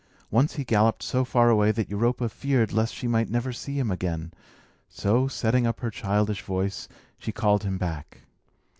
Once he galloped so far away that Europa feared lest she might never see him again; so, setting up her childish voice, she called him back.